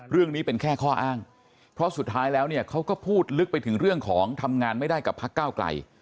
เรื่องนี้เป็นแค่ข้ออ้างเพราะสุดท้ายแล้วเนี่ยเขาก็พูดลึกไปถึงเรื่องของทำงานไม่ได้กับพักเก้าไกล